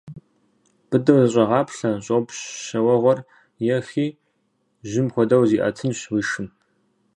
Быдэу зэщӏэгъаплъэ, щӏопщ щэ уэгъуэр ехи, жьым хуэдэу зиӏэтынщ уи шым.